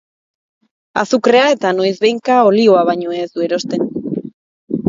Azukrea eta noizbehinka olioa baino ez du erosten.